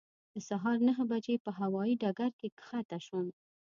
د سهار نهه بجې په هوایي ډګر کې کښته شوم.